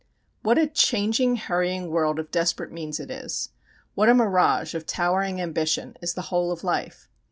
What a changing, hurrying world of desperate means it is. What a mirage of towering ambition is the whole of life!